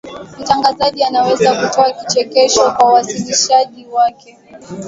mtangazaji anaweza kutoa kichekesho kwa wasikilizaji wake